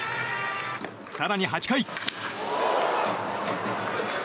更に８回。